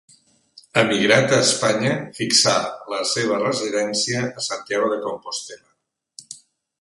Emigrat a Espanya, fixà la seva residència a Santiago de Compostel·la.